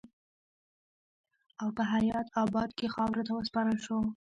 او پۀ حيات اباد کښې خاورو ته وسپارل شو